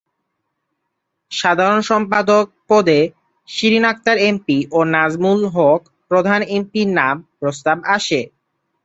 সাধারণ সম্পাদক পদে শিরীন আখতার এমপি ও নাজমুল হক প্রধান এমপি-র নাম প্রস্তাব আসে।